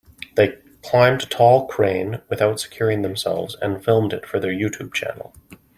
They climbed a tall crane without securing themselves and filmed it for their YouTube channel.